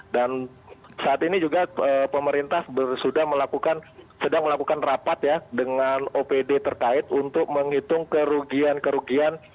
dan saat ini juga pemerintah sudah melakukan rapat ya dengan opd terkait untuk menghitung kerugian